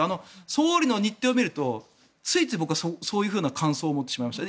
総理の日程を見るとついつい僕はそういう感想を持ってしまいました。